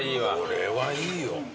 これはいいよ。